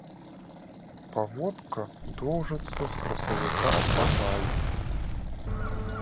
Паводка доўжыцца з красавіка па май.